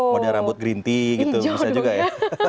model rambut green tea gitu bisa juga ya